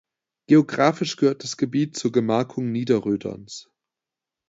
Geografisch gehört das Gebiet zur Gemarkung Niederröderns.